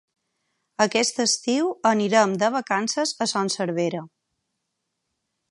Aquest estiu anirem de vacances a Son Servera.